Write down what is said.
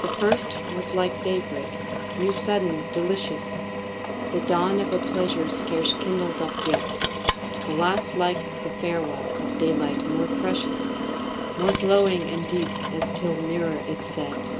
The first was like day break, new, sudden, delicious, The dawn of a pleasure scarce kindled up yet; The last like the farewell of daylight, more precious, More glowing and deep, as 'tis nearer its set.